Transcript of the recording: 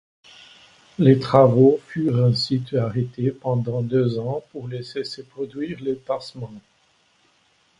Les travaux furent ensuite arrêtés pendant deux ans pour laisser se produire les tassements.